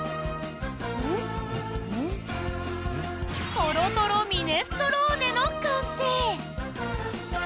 とろとろミネストローネの完成。